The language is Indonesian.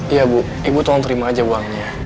iya bu ibu tolong terima aja uangnya